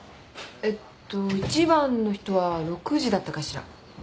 ええと１番の人は６時だったかしら。